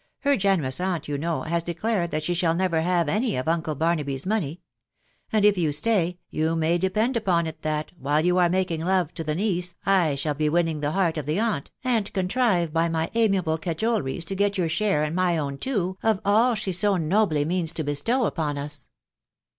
" Her generous aunt, you know, has declared that she shall never have any of uncle Barnaby 's money ; and if you stay, you may depend upon it that, while you are making love to the niece I shall be winning the heart of the aunt, and contrive by my amiable cajoleries to get your share and my own too of all she so nobly means to bestow upon us."